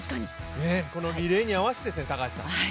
このリレーに合わせてですね。